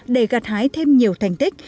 để gạt hái thêm nhiều thành tích